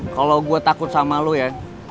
kalau gue takut sama lo ya